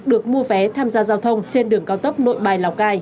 được mua vé tham gia giao thông trên đường cao tốc nội bài lào cai